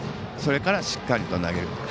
それから、しっかりと投げる。